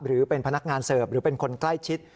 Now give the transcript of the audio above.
หรือเป็นพนักงานเสิร์ฟหรือเป็นคนใกล้ชิด